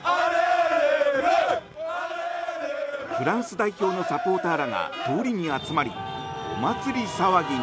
フランス代表のサポーターらが通りに集まりお祭り騒ぎに。